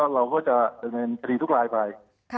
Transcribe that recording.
เราก็จะเป็นเฉดีทุกรายไป